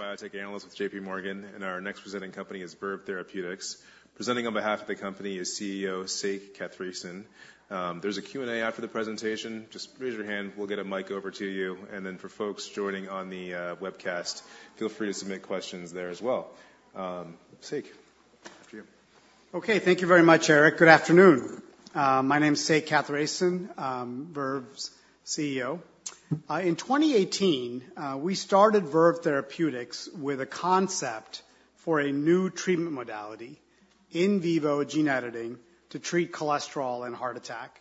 Senior biotech analyst with J.P. Morgan, and our next presenting company is Verve Therapeutics. Presenting on behalf of the company is CEO Sekar Kathiresan. There's a Q&A after the presentation. Just raise your hand, we'll get a mic over to you. And then for folks joining on the webcast, feel free to submit questions there as well. Sakar, after you. Okay, thank you very much, Eric. Good afternoon. My name is Sekar Kathiresan, Verve's CEO. In 2018, we started Verve Therapeutics with a concept for a new treatment modality, in vivo gene editing, to treat cholesterol and heart attack.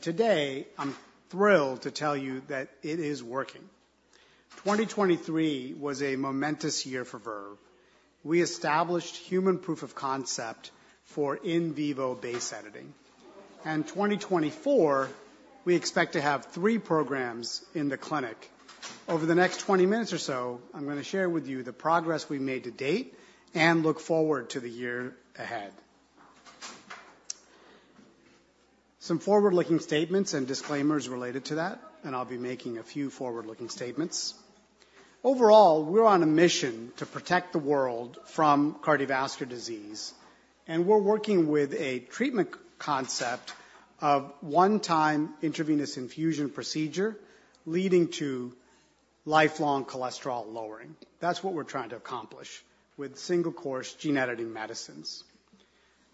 Today, I'm thrilled to tell you that it is working. 2023 was a momentous year for Verve. We established human proof of concept for in vivo base editing. 2024, we expect to have three programs in the clinic. Over the next 20 minutes or so, I'm gonna share with you the progress we've made to date and look forward to the year ahead. Some forward-looking statements and disclaimers related to that, and I'll be making a few forward-looking statements. Overall, we're on a mission to protect the world from cardiovascular disease, and we're working with a treatment concept of one-time intravenous infusion procedure, leading to lifelong cholesterol lowering. That's what we're trying to accomplish with single-course gene editing medicines.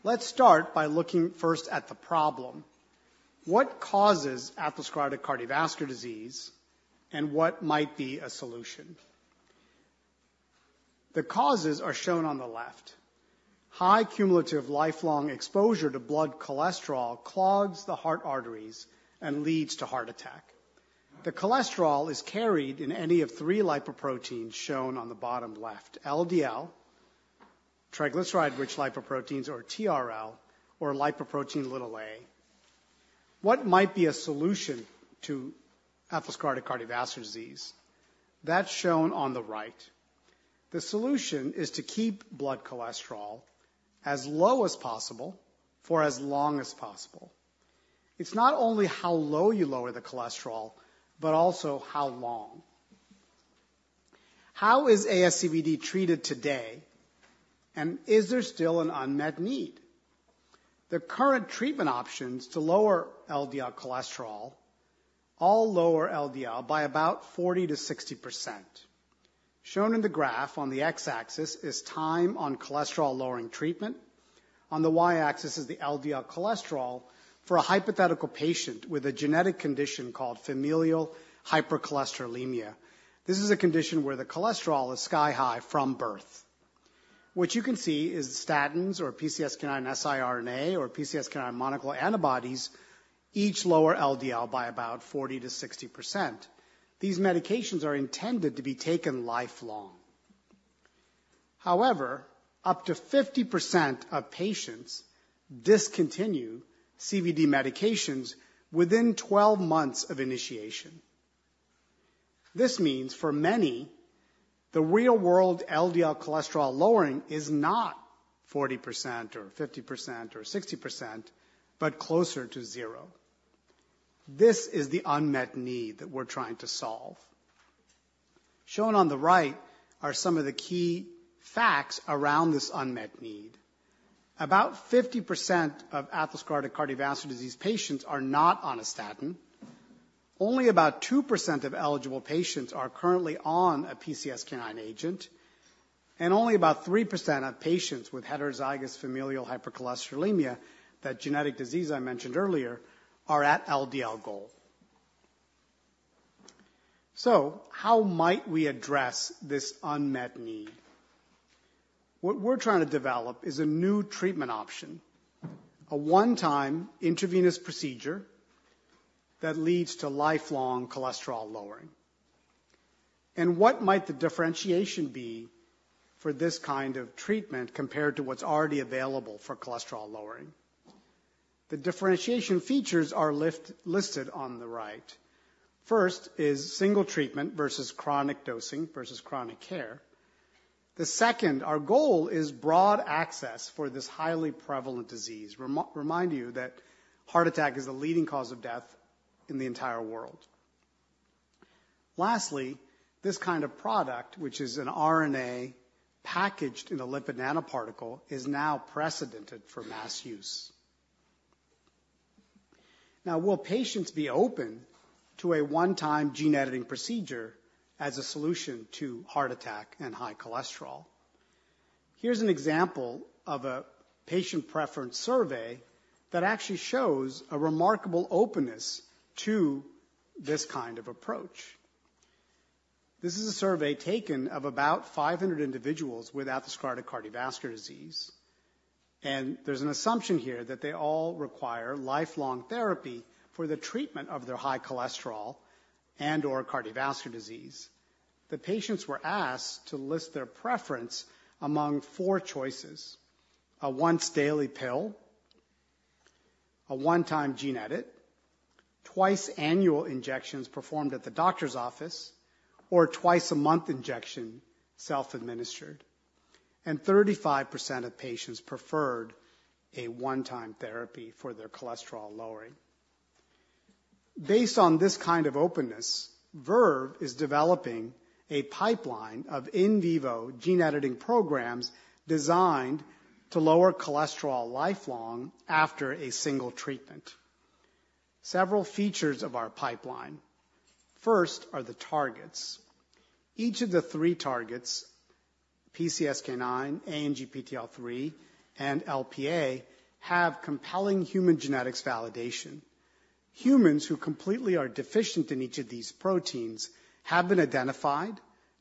Let's start by looking first at the problem. What causes atherosclerotic cardiovascular disease, and what might be a solution? The causes are shown on the left. High cumulative lifelong exposure to blood cholesterol clogs the heart arteries and leads to heart attack. The cholesterol is carried in any of three lipoproteins shown on the bottom left: LDL, triglyceride-rich lipoproteins or TRL, or lipoprotein(a). What might be a solution to atherosclerotic cardiovascular disease? That's shown on the right. The solution is to keep blood cholesterol as low as possible for as long as possible. It's not only how low you lower the cholesterol, but also how long. How is ASCVD treated today, and is there still an unmet need? The current treatment options to lower LDL cholesterol all lower LDL by about 40%-60%. Shown in the graph on the X-axis is time on cholesterol-lowering treatment. On the Y-axis is the LDL cholesterol for a hypothetical patient with a genetic condition called Familial Hypercholesterolemia. This is a condition where the cholesterol is sky high from birth. What you can see is statins or PCSK9 siRNA or PCSK9 monoclonal antibodies, each lower LDL by about 40%-60%. These medications are intended to be taken lifelong. However, up to 50% of patients discontinue CVD medications within 12 months of initiation. This means for many, the real-world LDL cholesterol lowering is not 40% or 50% or 60%, but closer to zero. This is the unmet need that we're trying to solve. Shown on the right are some of the key facts around this unmet need. About 50% of atherosclerotic cardiovascular disease patients are not on a statin. Only about 2% of eligible patients are currently on a PCSK9 agent, and only about 3% of patients with Heterozygous Familial Hypercholesterolemia, that genetic disease I mentioned earlier, are at LDL goal. So how might we address this unmet need? What we're trying to develop is a new treatment option, a one-time intravenous procedure that leads to lifelong cholesterol lowering. And what might the differentiation be for this kind of treatment compared to what's already available for cholesterol lowering? The differentiation features are listed on the right. First is single treatment versus chronic dosing versus chronic care. The second, our goal is broad access for this highly prevalent disease. Remind you that heart attack is the leading cause of death in the entire world. Lastly, this kind of product, which is an RNA packaged in a lipid nanoparticle, is now precedented for mass use. Now, will patients be open to a one-time gene editing procedure as a solution to heart attack and high cholesterol? Here's an example of a patient preference survey that actually shows a remarkable openness to this kind of approach. This is a survey taken of about 500 individuals with atherosclerotic cardiovascular disease, and there's an assumption here that they all require lifelong therapy for the treatment of their high cholesterol and/or cardiovascular disease. The patients were asked to list their preference among four choices: a once-daily pill, a one-time gene edit, twice annual injections performed at the doctor's office, or twice a month injection, self-administered, and 35% of patients preferred a one-time therapy for their cholesterol lowering. Based on this kind of openness, Verve is developing a pipeline of in vivo gene editing programs designed to lower cholesterol lifelong after a single treatment. Several features of our pipeline. First are the targets. Each of the three targets, PCSK9, ANGPTL3, and LPA, have compelling human genetics validation. Humans who completely are deficient in each of these proteins have been identified,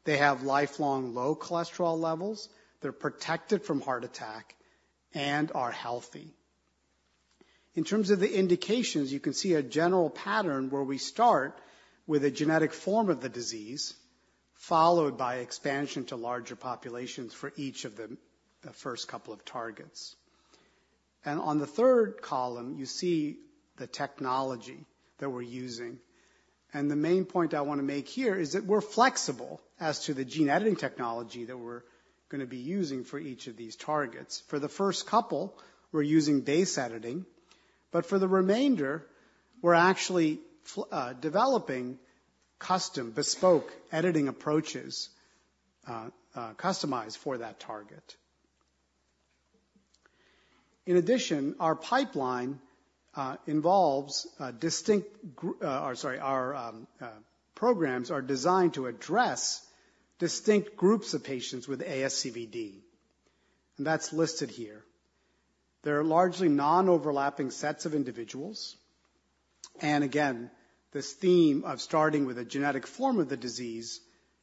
they have lifelong low cholesterol levels, they're protected from heart attack, and are healthy. In terms of the indications, you can see a general pattern where we start with a genetic form of the disease, followed by expansion to larger populations for each of the first couple of targets. On the third column, you see the technology that we're using. The main point I want to make here is that we're flexible as to the gene editing technology that we're going to be using for each of these targets. For the first couple, we're using base editing, but for the remainder, we're actually developing custom, bespoke editing approaches, customized for that target. In addition, sorry, our programs are designed to address distinct groups of patients with ASCVD, and that's listed here. They are largely non-overlapping sets of individuals. And again, this theme of starting with a genetic form of the disease,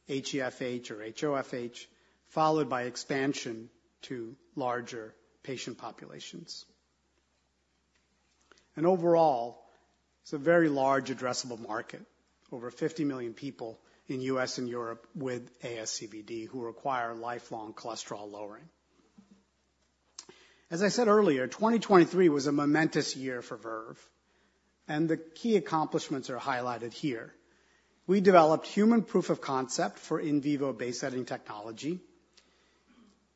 HeFH or HoFH, followed by expansion to larger patient populations. Overall, it's a very large addressable market. Over 50 million people in U.S. and Europe with ASCVD, who require lifelong cholesterol lowering. As I said earlier, 2023 was a momentous year for Verve, and the key accomplishments are highlighted here. We developed human proof of concept for in-vivo base editing technology.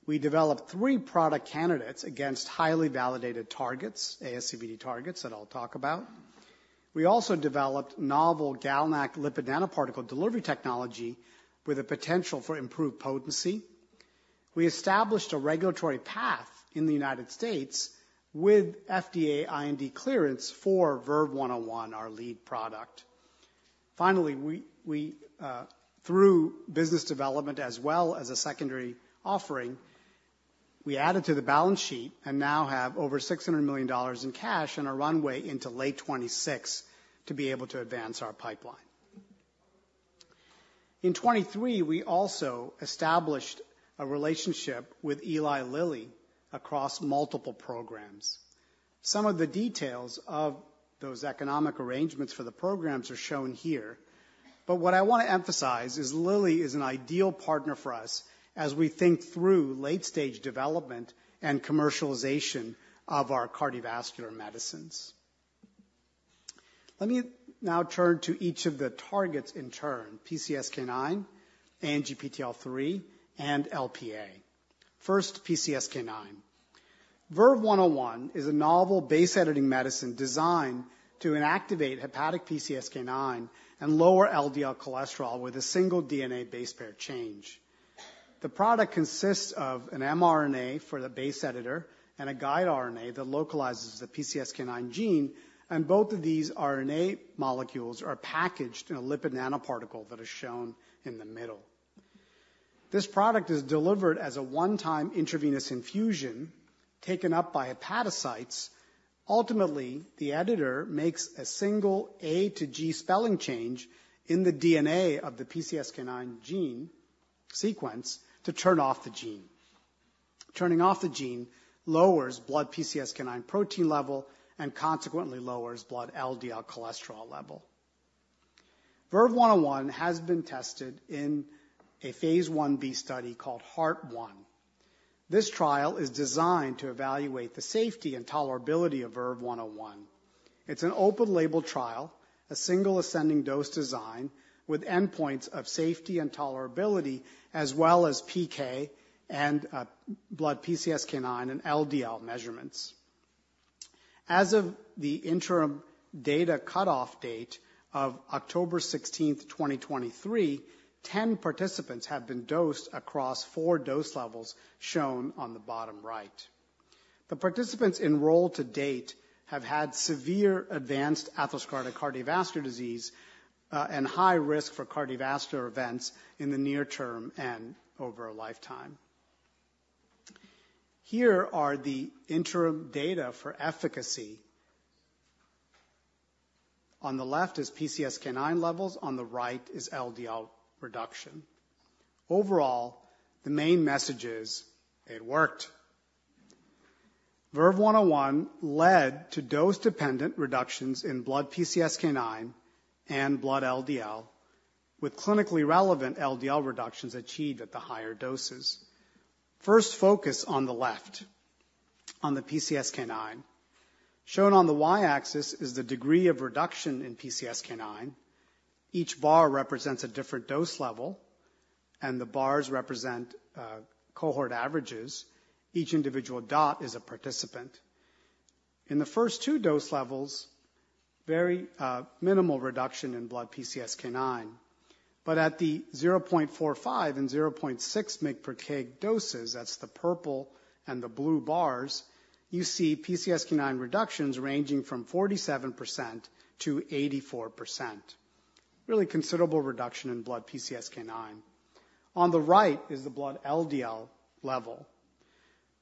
We developed three product candidates against highly validated targets, ASCVD targets that I'll talk about. We also developed novel GalNAc lipid nanoparticle delivery technology with a potential for improved potency. We established a regulatory path in the United States with FDA IND clearance for VERVE-101, our lead product. Finally, we through business development, as well as a secondary offering, we added to the balance sheet and now have over $600 million in cash and a runway into late 2026 to be able to advance our pipeline. In 2023, we also established a relationship with Eli Lilly across multiple programs. Some of the details of those economic arrangements for the programs are shown here. But what I want to emphasize is Lilly is an ideal partner for us as we think through late-stage development and commercialization of our cardiovascular medicines. Let me now turn to each of the targets in turn, PCSK9, ANGPTL3, and LPA. First, PCSK9. VERVE-101 is a novel base editing medicine designed to inactivate hepatic PCSK9 and lower LDL cholesterol with a single DNA base pair change. The product consists of an mRNA for the base editor and a guide RNA that localizes the PCSK9 gene, and both of these RNA molecules are packaged in a lipid nanoparticle that is shown in the middle. This product is delivered as a one-time intravenous infusion taken up by hepatocytes. Ultimately, the editor makes a single A to G spelling change in the DNA of the PCSK9 gene sequence to turn off the gene. Turning off the gene lowers blood PCSK9 protein level and consequently lowers blood LDL cholesterol level. VERVE-101 has been tested in a Phase Ib study called Heart-1. This trial is designed to evaluate the safety and tolerability of VERVE-101. It's an open-label trial, a single ascending dose design with endpoints of safety and tolerability, as well as PK and blood PCSK9 and LDL measurements. As of the interim data cutoff date of October 16th, 2023, 10 participants have been dosed across four dose levels shown on the bottom right. The participants enrolled to date have had severe advanced atherosclerotic cardiovascular disease and high risk for cardiovascular events in the near term and over a lifetime. Here are the interim data for efficacy. On the left is PCSK9 levels, on the right is LDL reduction. Overall, the main message is: it worked. VERVE-101 led to dose-dependent reductions in blood PCSK9 and blood LDL, with clinically relevant LDL reductions achieved at the higher doses. First, focus on the left, on the PCSK9. Shown on the Y-axis is the degree of reduction in PCSK9. Each bar represents a different dose level and the bars represent cohort averages, each individual dot is a participant. In the first two dose levels, very minimal reduction in blood PCSK9. But at the 0.45mg/kg and 0.6 mg/kg doses, that's the purple and the blue bars, you see PCSK9 reductions ranging from 47%-84%. Really considerable reduction in blood PCSK9. On the right is the blood LDL level.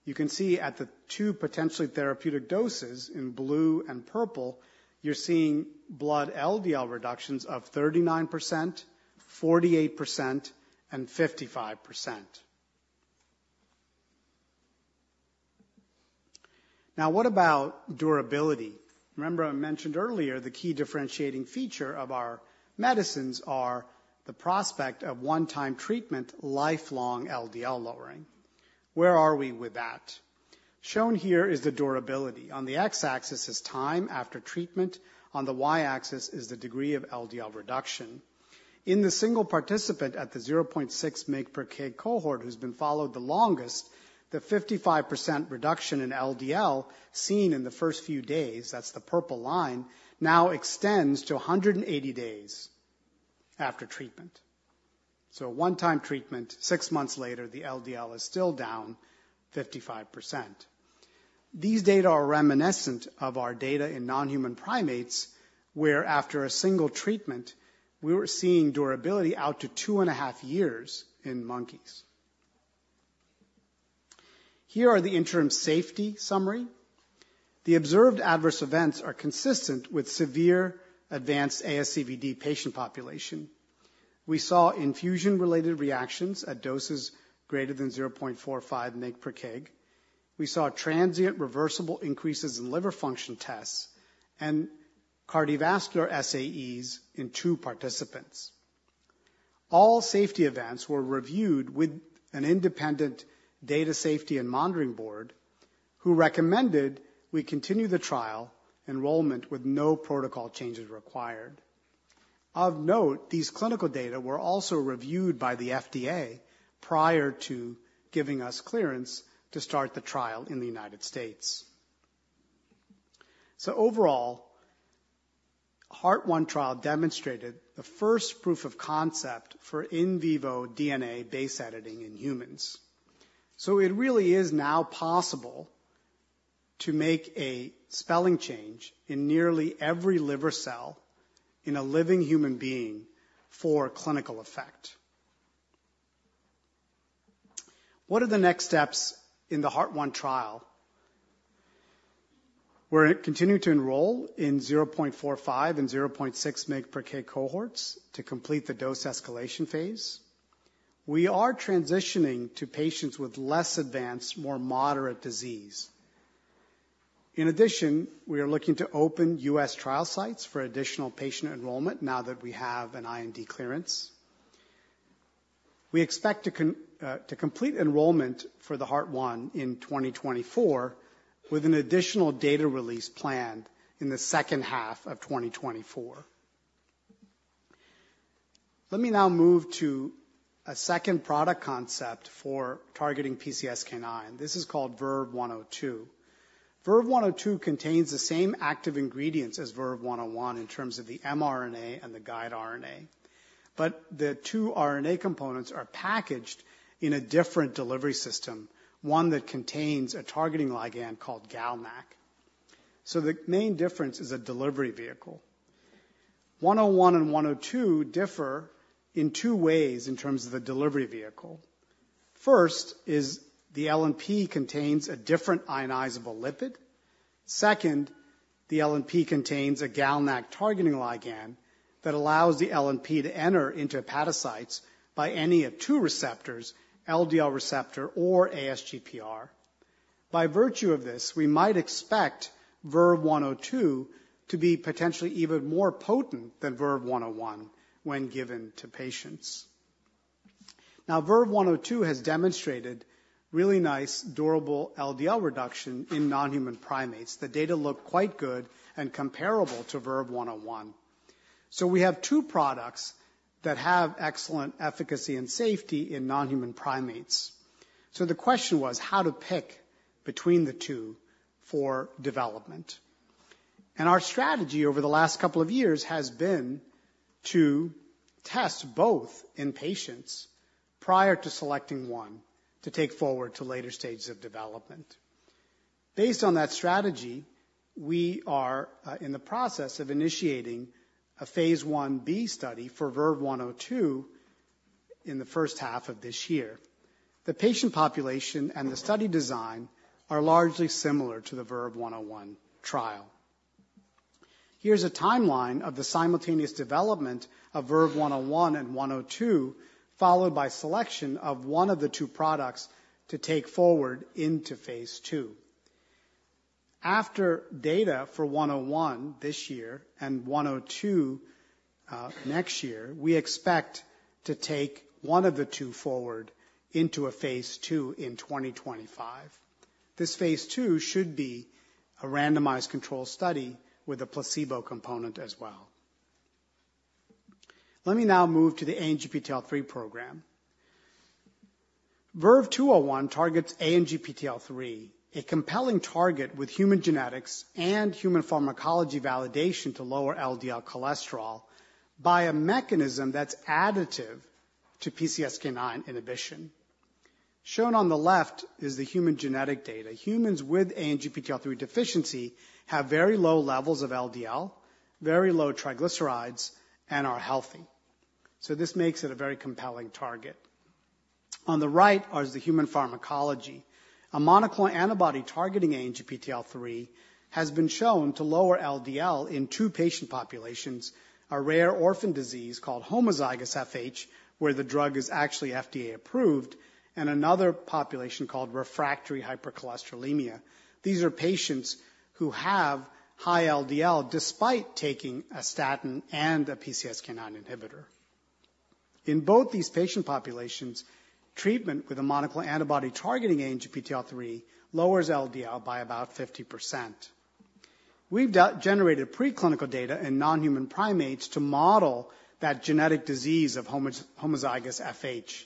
You can see at the two potentially therapeutic doses in blue and purple, you're seeing blood LDL reductions of 39%, 48%, and 55%. Now, what about durability? Remember I mentioned earlier, the key differentiating feature of our medicines are the prospect of one-time treatment, lifelong LDL lowering. Where are we with that? Shown here is the durability. On the x-axis is time after treatment, on the y-axis is the degree of LDL reduction. In the single participant at the 0.6 mg/kg cohort who's been followed the longest, the 55% reduction in LDL seen in the first few days, that's the purple line, now extends to 180 days after treatment. So a one-time treatment, six months later, the LDL is still down 55%. These data are reminiscent of our data in non-human primates, where after a single treatment, we were seeing durability out to 2.5 years in monkeys. Here are the interim safety summary. The observed adverse events are consistent with severe advanced ASCVD patient population. We saw infusion-related reactions at doses greater than 0.45 mg/kg. We saw transient reversible increases in liver function tests and cardiovascular SAEs in two participants. All safety events were reviewed with an independent data safety and monitoring board, who recommended we continue the trial enrollment with no protocol changes required. Of note, these clinical data were also reviewed by the FDA prior to giving us clearance to start the trial in the United States. So overall, Heart-1 trial demonstrated the first proof of concept for in vivo DNA base editing in humans. So it really is now possible to make a spelling change in nearly every liver cell in a living human being for clinical effect. What are the next steps in the Heart-1 trial? We're continuing to enroll in 0.45mg/kg and 0.6 mg/kg cohorts to complete the dose escalation phase. We are transitioning to patients with less advanced, more moderate disease. In addition, we are looking to open U.S. trial sites for additional patient enrollment now that we have an IND clearance. We expect to complete enrollment for the Heart-1 in 2024, with an additional data release planned in the H2 of 2024. Let me now move to a second product concept for targeting PCSK9. This is called VERVE-102. VERVE-102 contains the same active ingredients as VERVE-101 in terms of the mRNA and the guide RNA, but the two RNA components are packaged in a different delivery system, one that contains a targeting ligand called GalNAc. So the main difference is a delivery vehicle. 101 and 102 differ in two ways in terms of the delivery vehicle. First, is the LNP contains a different ionizable lipid. Second, the LNP contains a GalNAc targeting ligand that allows the LNP to enter into hepatocytes by any of two receptors: LDL receptor or ASGPR. By virtue of this, we might expect VERVE-102 to be potentially even more potent than VERVE-101 when given to patients. Now, VERVE-102 has demonstrated really nice durable LDL reduction in non-human primates. The data look quite good and comparable to VERVE-101. So we have two products that have excellent efficacy and safety in non-human primates. So the question was how to pick between the two for development. Our strategy over the last couple of years has been to test both in patients prior to selecting one, to take forward to later stages of development. Based on that strategy, we are in the process of initiating a Phase Ib study for VERVE-102 in the first half of this year. The patient population and the study design are largely similar to the VERVE-101 trial. Here's a timeline of the simultaneous development of VERVE-101 and VERVE-102, followed by selection of one of the two products to take forward Phase II. after data for VERVE-101 this year and VERVE-102 next year, we expect to take one of the two forward into Phase II in 2025. Phase II should be a randomized controlled study with a placebo component as well. Let me now move to the ANGPTL3 program. VERVE-201 targets ANGPTL3, a compelling target with human genetics and human pharmacology validation to lower LDL cholesterol by a mechanism that's additive to PCSK9 inhibition. Shown on the left is the human genetic data. Humans with ANGPTL3 deficiency have very low levels of LDL, very low triglycerides, and are healthy. So this makes it a very compelling target. On the right are the human pharmacology. A monoclonal antibody targeting ANGPTL3 has been shown to lower LDL in two patient populations: a rare orphan disease called homozygous FH, where the drug is actually FDA approved, and another population called refractory hypercholesterolemia. These are patients who have high LDL despite taking a statin and a PCSK9 inhibitor. In both these patient populations, treatment with a monoclonal antibody targeting ANGPTL3 lowers LDL by about 50%. We've generated preclinical data in non-human primates to model that genetic disease of homozygous FH.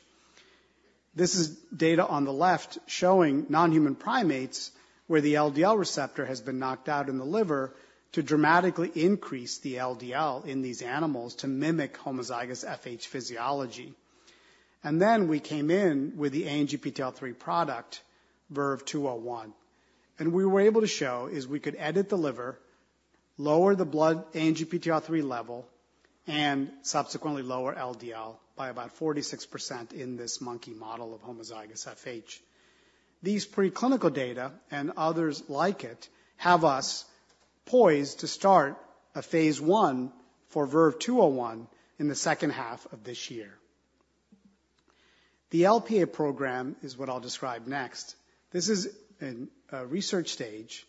This is data on the left showing non-human primates, where the LDL receptor has been knocked out in the liver to dramatically increase the LDL in these animals to mimic homozygous FH physiology. And then we came in with the ANGPTL3 product, VERVE-201, and we were able to show is we could edit the liver, lower the blood ANGPTL3 level, and subsequently lower LDL by about 46% in this monkey model of homozygous FH. These preclinical data, and others like it, have us poised to start a phase I for VERVE-201 in the H2 of this year. The Lp(a) program is what I'll describe next. This is in a research stage.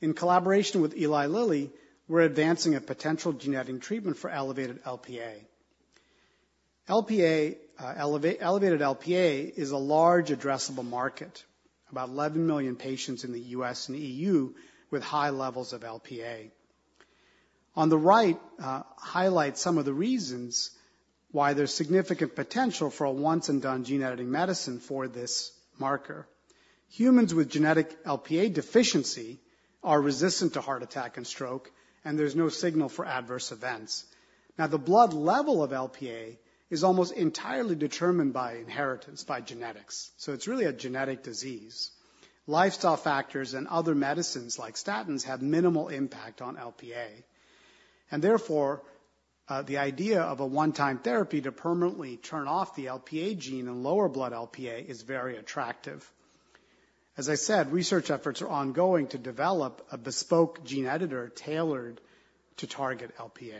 In collaboration with Eli Lilly, we're advancing a potential genetic treatment for elevated Lp(a). Elevated Lp(a). is a large addressable market, about 11 million patients in the U.S. and E.U. with high levels of Lp(a). On the right, highlight some of the reasons why there's significant potential for a once-and-done gene-editing medicine for this marker. Humans with genetic Lp(a) deficiency are resistant to heart attack and stroke, and there's no signal for adverse events. Now, the blood level of Lp(a) is almost entirely determined by inheritance, by genetics, so it's really a genetic disease. Lifestyle factors and other medicines like statins have minimal impact on Lp(a), and therefore, the idea of a one-time therapy to permanently turn off the Lp(a) gene and lower blood Lp(a) is very attractive. As I said, research efforts are ongoing to develop a bespoke gene editor tailored to target Lp(a).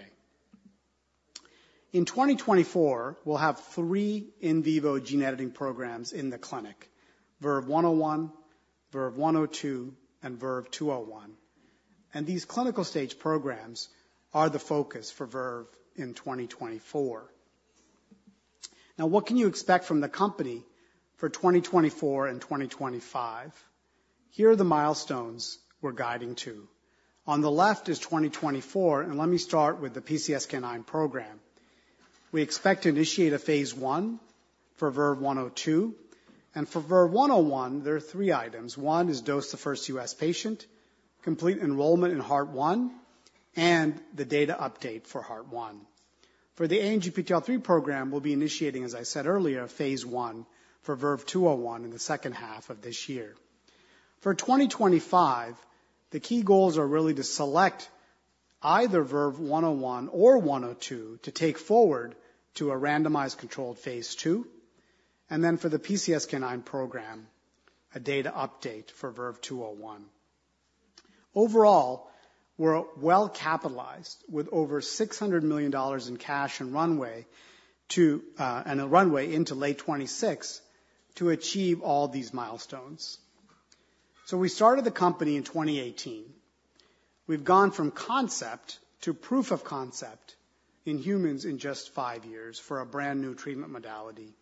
In 2024, we'll have three in vivo gene editing programs in the clinic: VERVE-101, VERVE-102, and VERVE-201. And these clinical stage programs are the focus for Verve in 2024. Now, what can you expect from the company for 2024 and 2025? Here are the milestones we're guiding to. On the left is 2024, and let me start with the PCSK9 program. We expect to initiate a Phase I for VERVE-102, and for VERVE-101, there are three items: One is dose the first U.S. patient, complete enrollment in Heart-1, and the data update for Heart-1. For the ANGPTL3 program, we'll be initiating, as I said earlier, Phase I for VERVE-201 in the H2 of this year. For 2025, the key goals are really to select either VERVE-101 or 102 to take forward to a randomized Phase II, and then for the PCSK9 program, a data update for VERVE-201. Overall, we're well-capitalized with over $600 million in cash and runway to, and a runway into late 2026 to achieve all these milestones. So we started the company in 2018. We've gone from concept to proof of concept in humans in just five years for a brand-new treatment modality,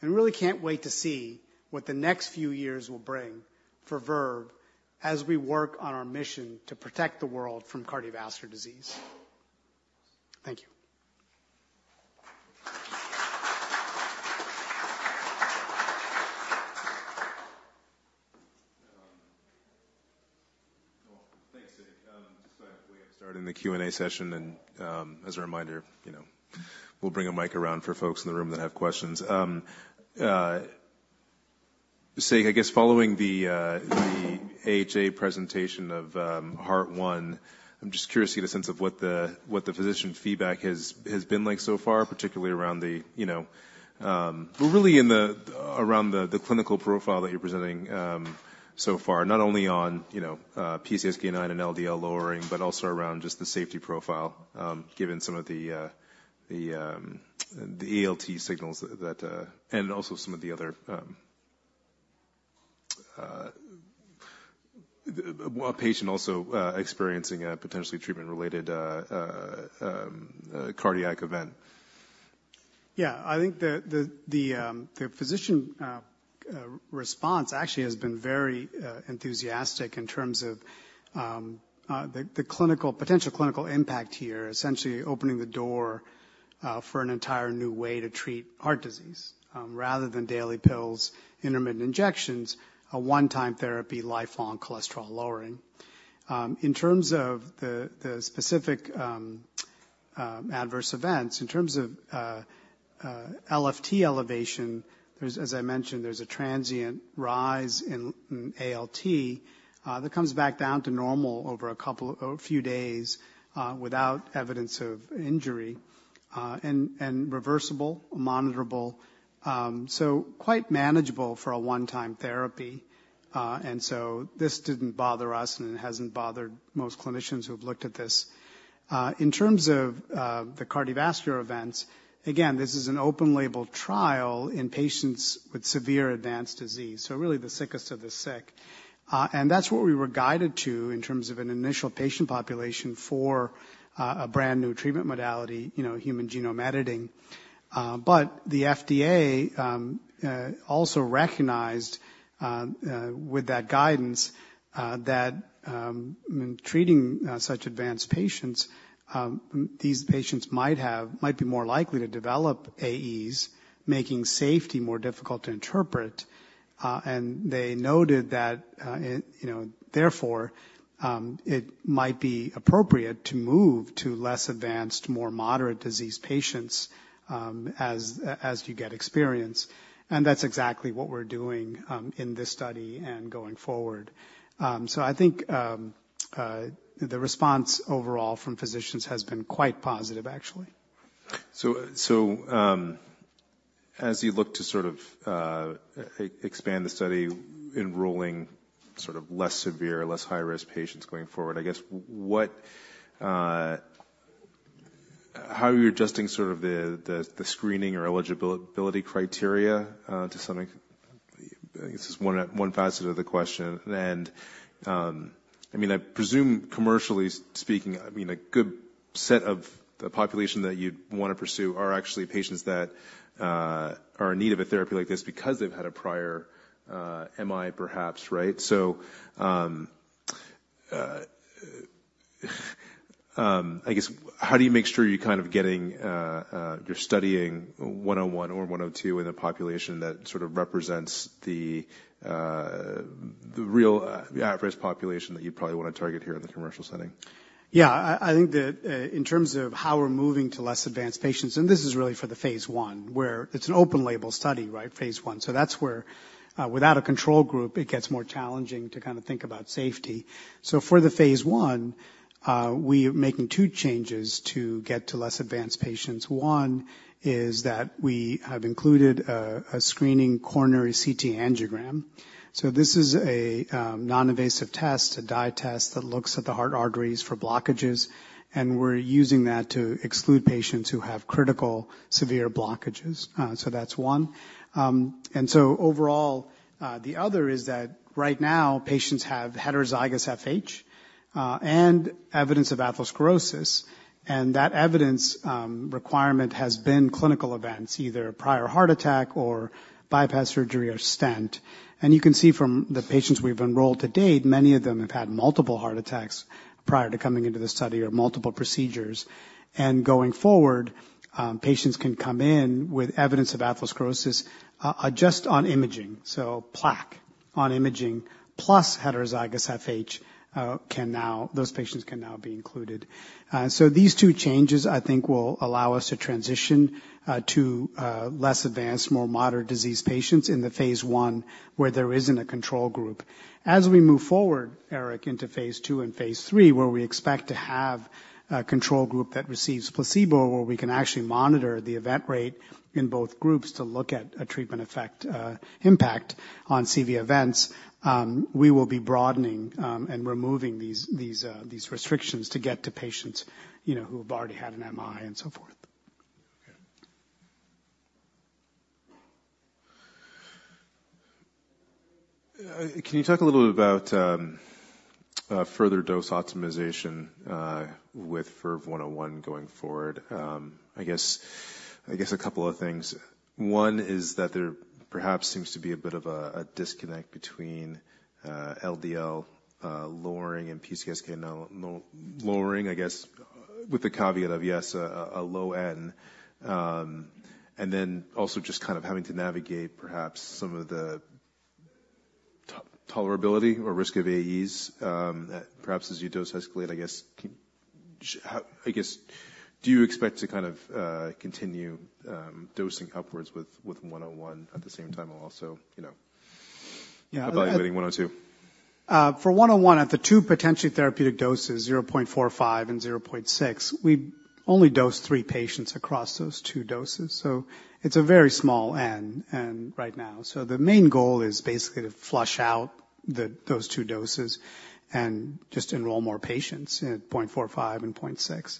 and really can't wait to see what the next few years will bring for Verve as we work on our mission to protect the world from cardiovascular disease. Thank you. Well, thanks, Sekar. Just going to go ahead and start in the Q&A session, and, as a reminder, you know, we'll bring a mic around for folks in the room that have questions. Sekar, I guess following the AHA presentation of Heart-1, I'm just curious to get a sense of what the physician feedback has been like so far, particularly around the, you know. Well, really around the clinical profile that you're presenting so far, not only on, you know, PCSK9 and LDL lowering, but also around just the safety profile, given some of the the ALT signals that, and also some of the other, a patient also experiencing a potentially treatment-related cardiac event. Yeah, I think the physician response actually has been very enthusiastic in terms of the potential clinical impact here, essentially opening the door for an entire new way to treat heart disease. Rather than daily pills, intermittent injections, a one-time therapy, lifelong cholesterol-lowering. In terms of the specific adverse events, in terms of LFT elevation, as I mentioned, there's a transient rise in ALT that comes back down to normal over a few days without evidence of injury, and reversible, monitorable. So quite manageable for a one-time therapy, and so this didn't bother us and it hasn't bothered most clinicians who have looked at this. In terms of the cardiovascular events, again, this is an open-label trial in patients with severe advanced disease, so really the sickest of the sick. That's what we were guided to in terms of an initial patient population for a brand-new treatment modality, you know, human genome editing. But the FDA also recognized with that guidance that treating such advanced patients, these patients might be more likely to develop AEs, making safety more difficult to interpret. They noted that, you know, therefore, it might be appropriate to move to less advanced, more moderate disease patients as you get experience. That's exactly what we're doing in this study and going forward. So I think the response overall from physicians has been quite positive, actually. As you look to sort of expand the study, enrolling sort of less severe, less high-risk patients going forward, I guess, how are you adjusting sort of the screening or eligibility criteria to some- I guess it's one facet of the question. I mean, I presume commercially speaking, I mean, a good set of the population that you'd want to pursue are actually patients that are in need of a therapy like this because they've had a prior MI, perhaps, right? I guess, how do you make sure you're kind of getting you're studying VERVE-101 or VERVE-102 with a population that sort of represents the real at-risk population that you'd probably want to target here in the commercial setting? Yeah, I think that in terms of how we're moving to less advanced patients, and this is really for the phase one, where it's an open-label study, right? Phase I. So that's where without a control group, it gets more challenging to kind of think about safety. So for the phase one, we are making two changes to get to less advanced patients. One, is that we have included a screening coronary CT angiogram. So this is a non-invasive test, a dye test that looks at the heart arteries for blockages, and we're using that to exclude patients who have critical, severe blockages. So that's one. And so overall, the other is that right now, patients have heterozygous FH and evidence of atherosclerosis, and that evidence requirement has been clinical events, either a prior heart attack or bypass surgery or stent. And you can see from the patients we've enrolled to date, many of them have had multiple heart attacks prior to coming into the study or multiple procedures. And going forward, patients can come in with evidence of atherosclerosis just on imaging. So plaque on imaging, plus heterozygous FH, can now, those patients can now be included. So these two changes, I think, will allow us to transition to less advanced, more moderate disease patients in the phase one, where there isn't a control group. As we move forward, Eric, into Phase II and Phase III, where we expect to have a control group that receives placebo, where we can actually monitor the event rate in both groups to look at a treatment effect, impact on CV events, we will be broadening, and removing these restrictions to get to patients, you know, who have already had an MI and so forth. Okay. Can you talk a little bit about further dose optimization with VERVE-101 going forward? I guess a couple of things. One is that there perhaps seems to be a bit of a disconnect between LDL lowering and PCSK9 lowering, I guess, with the caveat of, yes, a low N. And then also just kind of having to navigate perhaps some of the tolerability or risk of AEs, perhaps as you dose escalate, I guess. How do you expect to kind of continue dosing upwards with 101 at the same time, and also, you know- Yeah. -evaluating 102? For VERVE-101, at the two potentially therapeutic doses, 0.45 and 0.6, we only dosed three patients across those two doses, so it's a very small N right now. So the main goal is basically to flesh out those two doses and just enroll more patients in 0.45 and 0.6.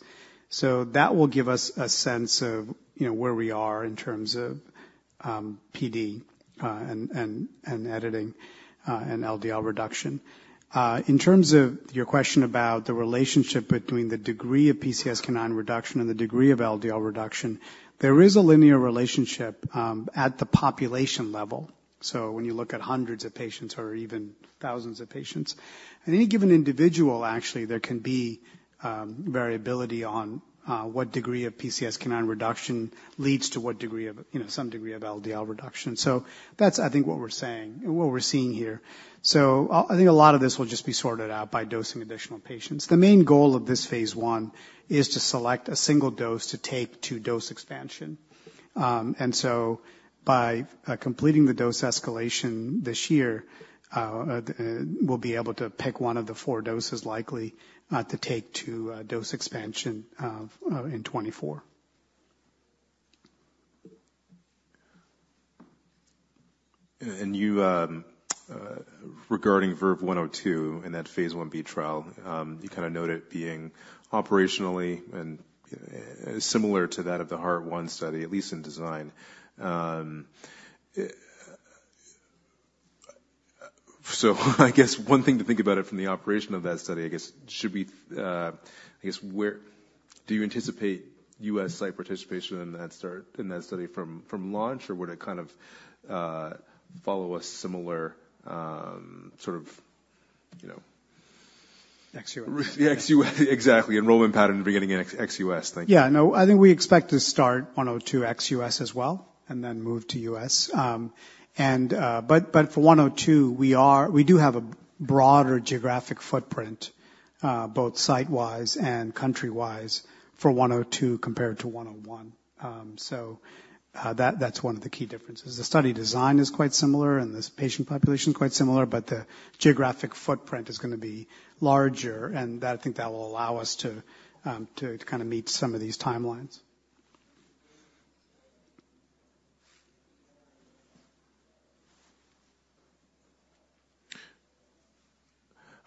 So that will give us a sense of, you know, where we are in terms of PD and editing and LDL reduction. In terms of your question about the relationship between the degree of PCSK9 reduction and the degree of LDL reduction, there is a linear relationship at the population level, so when you look at hundreds of patients or even thousands of patients. In any given individual, actually, there can be, variability on, what degree of PCSK9 reduction leads to what degree of, you know, some degree of LDL reduction. So that's, I think, what we're saying and what we're seeing here. So I, I think a lot of this will just be sorted out by dosing additional patients. The main goal of this phase I is to select a single dose to take to dose expansion. And so by, completing the dose escalation this year, we'll be able to pick one of the four doses likely, to take to, dose expansion, in 2024. And you, regarding VERVE-102 in that Phase 1b trial, you kind of noted it being operationally and similar to that of the HART-1 study, at least in design. So I guess one thing to think about it from the operation of that study, I guess, should we... I guess, where do you anticipate U.S. site participation in that start, in that study from, from launch, or would it kind of, sort of, you know- Ex-U.S.. Ex-U.S., exactly, enrollment pattern beginning in ex-U.S. Thank you. Yeah. No, I think we expect to start 102 ex-U.S. as well, and then move to U.S.. But for 102, we do have a broader geographic footprint, both site-wise and country-wise for 102 compared to 101. So, that, that's one of the key differences. The study design is quite similar and this patient population quite similar, but the geographic footprint is gonna be larger, and that, I think that will allow us to to kind of meet some of these timelines.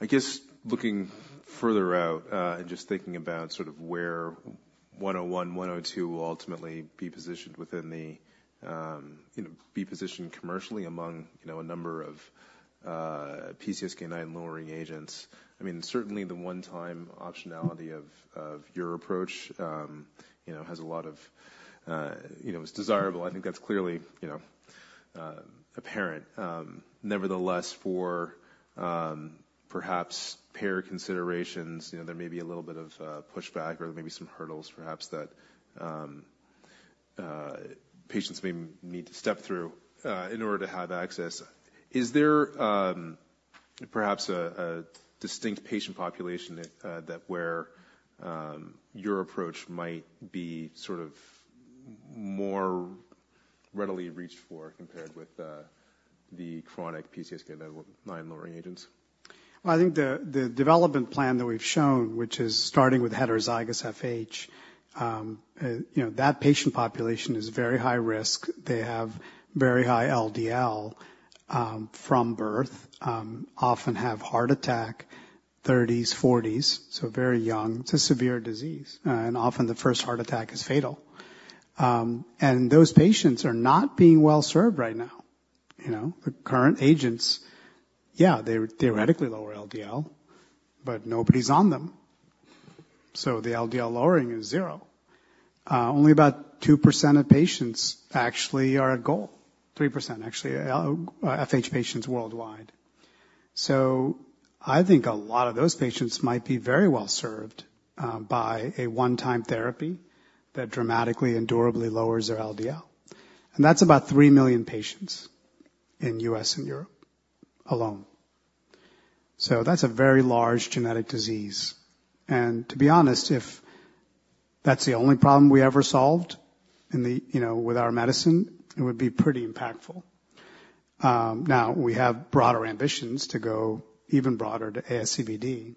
I guess looking further out, and just thinking about sort of where 101, 102 will ultimately be positioned within the, you know, be positioned commercially among, you know, a number of, PCSK9 lowering agents. I mean, certainly the one-time optionality of, of your approach, you know, has a lot of, you know, is desirable. I think that's clearly, you know, apparent. Nevertheless, for, perhaps payer considerations, you know, there may be a little bit of, pushback or there may be some hurdles perhaps that, patients may need to step through, in order to have access. Is there, perhaps a distinct patient population, that where, your approach might be sort of more readily reached for compared with, the chronic PCSK9 lowering agents? Well, I think the development plan that we've shown, which is starting with heterozygous FH, you know, that patient population is very high risk. They have very high LDL from birth, often have heart attack, 30s, 40s, so very young. It's a severe disease, and often the first heart attack is fatal. And those patients are not being well-served right now, you know. The current agents, yeah, they theoretically lower LDL, but nobody's on them, so the LDL lowering is zero. Only about 2% of patients actually are at goal, 3%, actually, FH patients worldwide. So I think a lot of those patients might be very well served by a one-time therapy that dramatically and durably lowers their LDL. And that's about 3 million patients in U.S. and Europe alone. So that's a very large genetic disease, and to be honest, if that's the only problem we ever solved in the you know, with our medicine, it would be pretty impactful. Now, we have broader ambitions to go even broader to ASCVD,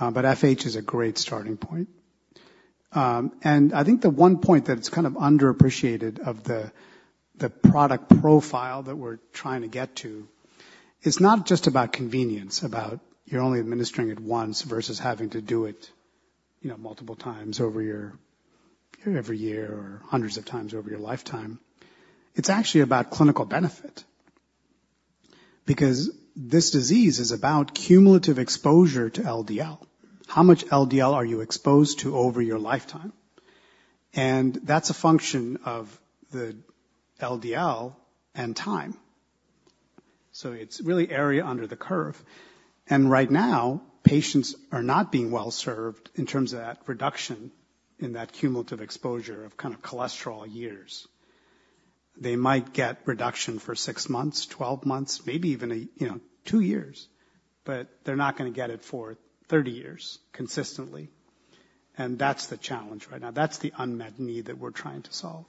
but FH is a great starting point. I think the one point that it's kind of underappreciated of the product profile that we're trying to get to is not just about convenience, about you're only administering it once versus having to do it, you know, multiple times over your every year or hundreds of times over your lifetime. It's actually about clinical benefit because this disease is about cumulative exposure to LDL. How much LDL are you exposed to over your lifetime? That's a function of the LDL and time, so it's really area under the curve. Right now, patients are not being well-served in terms of that reduction in that cumulative exposure of kind of cholesterol years. They might get reduction for six months, 12 months, maybe even a, you know, two years, but they're not gonna get it for 30 years consistently, and that's the challenge right now. That's the unmet need that we're trying to solve.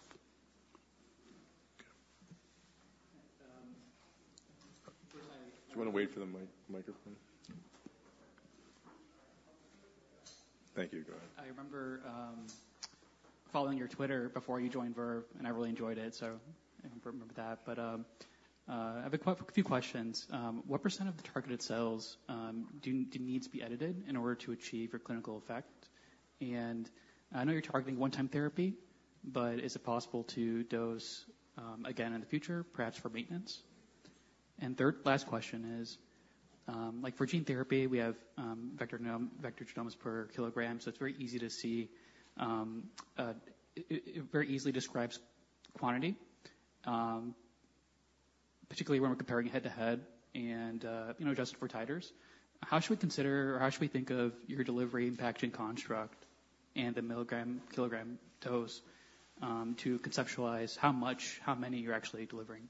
Do you wanna wait for the microphone? Thank you. Go ahead. I remember following your Twitter before you joined Verve, and I really enjoyed it, so I remember that. But I have a quite few questions. What % of the targeted cells need to be edited in order to achieve your clinical effect? And I know you're targeting one-time therapy, but is it possible to dose again in the future, perhaps for maintenance? And third, last question is, like for gene therapy, we have vector genomes per kilogram, so it's very easy to see, it very easily describes quantity, particularly when we're comparing head-to-head and, you know, adjusted for titers. How should we consider, or how should we think of your delivery packaging construct and the milligram, kilogram dose, to conceptualize how much, how many you're actually delivering?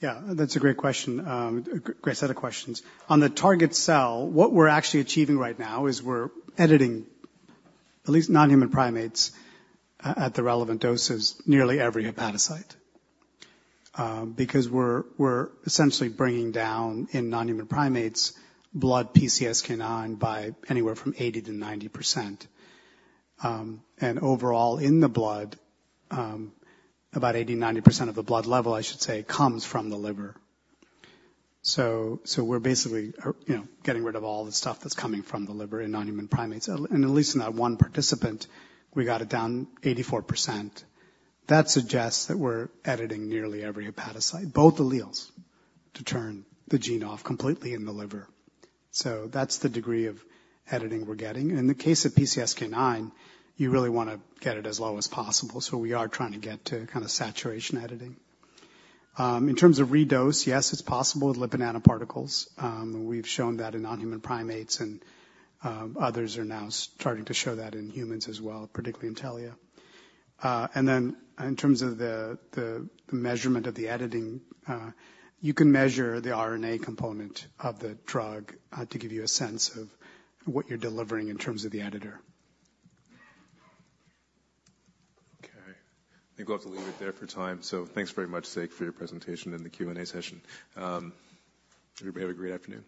Yeah, that's a great question. Great set of questions. On the target cell, what we're actually achieving right now is we're editing at least non-human primates at the relevant doses, nearly every hepatocyte. Because we're essentially bringing down in non-human primates, blood PCSK9 by anywhere from 80%-90%. And overall in the blood, about 80%-90% of the blood level, I should say, comes from the liver. So we're basically, you know, getting rid of all the stuff that's coming from the liver in non-human primates. And at least in that one participant, we got it down 84%. That suggests that we're editing nearly every hepatocyte, both alleles, to turn the gene off completely in the liver. So that's the degree of editing we're getting. In the case of PCSK9, you really want to get it as low as possible, so we are trying to get to kind of saturation editing. In terms of redose, yes, it's possible with lipid nanoparticles. We've shown that in non-human primates and others are now starting to show that in humans as well, particularly Intellia. And then in terms of the measurement of the editing, you can measure the RNA component of the drug to give you a sense of what you're delivering in terms of the editor. Okay. I think we'll have to leave it there for time. So thanks very much, Sekar, for your presentation and the Q&A session. Everybody have a great afternoon.